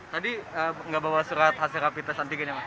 tadi nggak bawa surat hasil rapitas antigennya